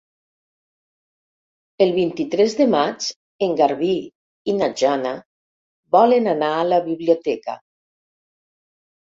El vint-i-tres de maig en Garbí i na Jana volen anar a la biblioteca.